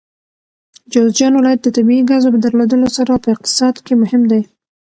جوزجان ولایت د طبیعي ګازو په درلودلو سره په اقتصاد کې مهم دی.